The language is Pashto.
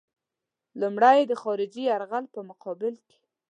لومړی یې د خارجي یرغل په مقابل کې.